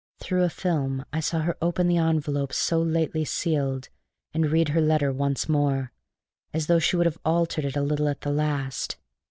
Through a film I saw her open the envelope so lately sealed and read her letter once more, as though she would have altered it a little at the last.